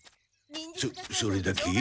そそれだけ？